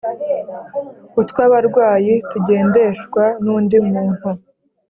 utw'abarwayi tugendeshwa n'undi muntu